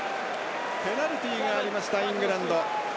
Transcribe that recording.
ペナルティーがありましたイングランド。